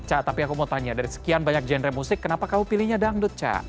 cak tapi aku mau tanya dari sekian banyak genre musik kenapa kamu pilihnya dangdut cak